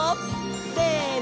せの！